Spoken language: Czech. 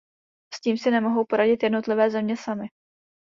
S tím si nemohou poradit jednotlivé země samy.